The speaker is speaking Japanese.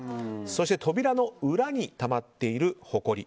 そして扉の裏にたまっているほこり